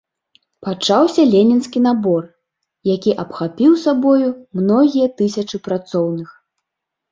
Пачаўся ленінскі набор, які абхапіў сабою многія тысячы працоўных.